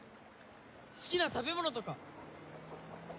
好きな食べ物とか。